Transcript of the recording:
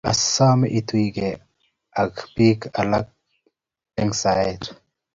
Asome ituyiegei ak biik alak eng' saet